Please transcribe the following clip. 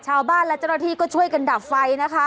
ชาวบ้านและเจ้าหน้าที่ก็ช่วยกันดับไฟนะคะ